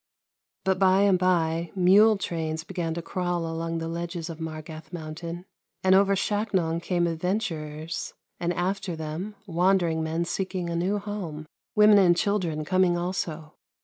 But by and by mule trains began to crawl along the ledges of Margath IMountain, and over Shaknon came adventurers, and after them, wandering men seeking a new home, women and children coming also.